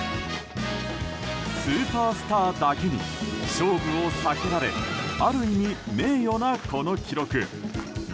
スーパースターだけに勝負を避けられある意味、名誉なこの記録。